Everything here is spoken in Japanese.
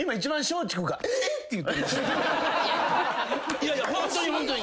いやいやホントにホントに。